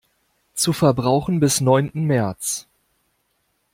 Zu Verbrauchen bis neunten März.